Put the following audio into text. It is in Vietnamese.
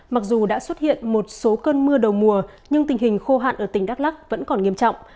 mặc dù đã xuất hiện một số cơn mưa đầu mùa nhưng tình hình khô hạn ở tỉnh đắk lắc vẫn còn nghiêm trọng